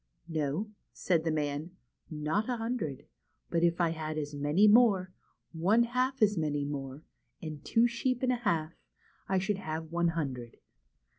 " No," said the man, " not a hundred ; but if I had as many more, one half as many more, and two sheep and a half, I should have one hundred.